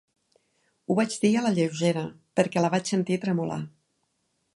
Ho vaig dir a la lleugera, perquè la vaig sentir tremolar.